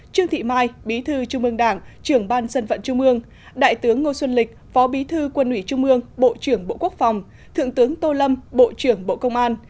trương thị mai bí thư trung ương đảng trưởng ban dân vận trung ương đại tướng ngô xuân lịch phó bí thư quân ủy trung ương bộ trưởng bộ quốc phòng thượng tướng tô lâm bộ trưởng bộ công an